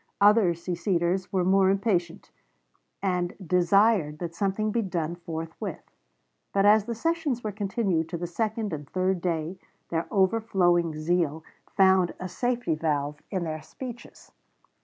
Other seceders were more impatient, and desired that something be done forthwith; but as the sessions were continued to the second and third day, their overflowing zeal found a safety valve in their speeches.